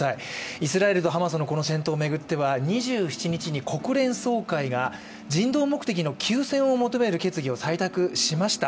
イスラエルとハマスの戦闘を巡っては２７日に国連総会が人道目的の休戦を求める決議を採択しました。